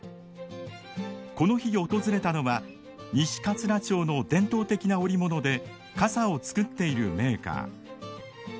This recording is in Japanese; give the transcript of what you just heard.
この日訪れたのは西桂町の伝統的な織物で傘を作っているメーカー。